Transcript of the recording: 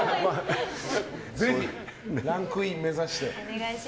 ぜひランクイン目指して。